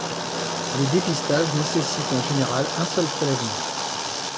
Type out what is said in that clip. Les dépistages nécessitent en général un seul prélèvement.